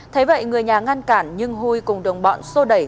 thế vậy người nhà ngăn cản nhưng huy cùng đồng bọn xô đẩy